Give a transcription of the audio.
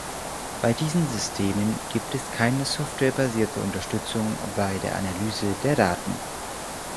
Bei diesen Systemen gibt es keine softwarebasierte Unterstützung bei der Analyse der Daten.